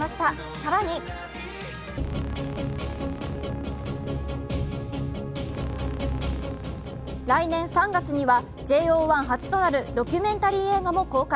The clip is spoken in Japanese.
さらに、来年３月にはＪ０１初となるドキュメンタリー映画も公開。